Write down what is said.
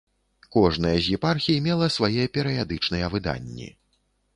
Кожная з епархій мела свае перыядычныя выданні.